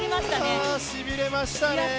いやしびれましたね！